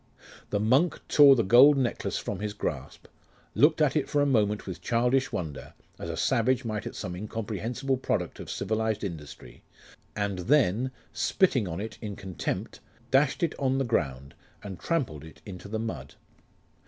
The monk tore the gold necklace from his grasp, looked at it for a moment with childish wonder, as a savage might at some incomprehensible product of civilised industry, and then, spitting on it in contempt, dashed it on the ground, and trampled it into the mud.